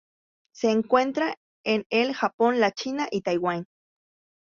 Se encuentra en el Japón, la China y Taiwán.